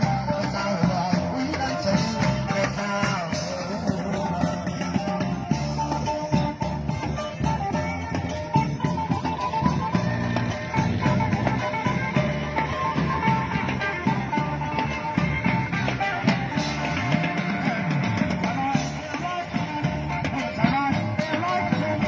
อาหารกลับมาเพื่อได้รันเท่านั้นอย่าใจที่คุกอย่างเพื่อได้รันเท่านั้นที่สุด